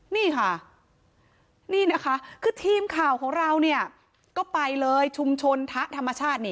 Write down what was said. นี่ค่ะนี่นะคะคือทีมข่าวของเราเนี่ยก็ไปเลยชุมชนทะธรรมชาตินี่